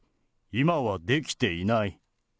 今はできていない。